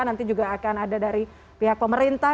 nanti juga akan ada dari pihak pemerintah